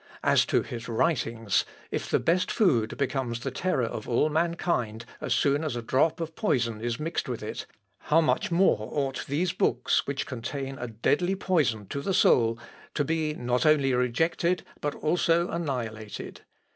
"As to his writings, if the best food becomes the terror of all mankind as soon as a drop of poison is mixed with it, how much more ought these books which contain a deadly poison to the soul to be not only rejected but also annihilated.